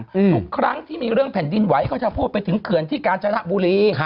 ทุกครั้งที่มีเรื่องแผ่นดินไหวก็จะพูดไปถึงเขื่อนที่กาญจนบุรี